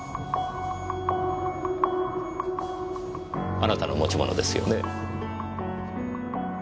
あなたの持ち物ですよね？